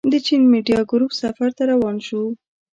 د چين ميډيا ګروپ سفر ته روان شوو.